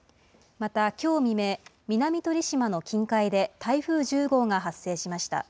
またきょう未明、南鳥島の近海で台風１０号が発生しました。